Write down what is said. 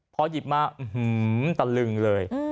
พอหยิบมาอื้อหือตะลึงเลย